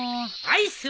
アイス。